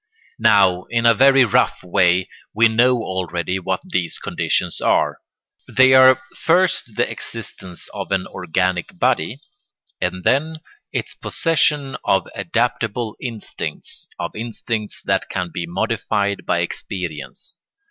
Now, in a very rough way, we know already what these conditions are. They are first the existence of an organic body and then its possession of adaptable instincts, of instincts that can be modified by experience.